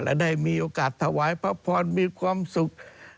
และได้มีโอกาสถวายพระพรมีความสุข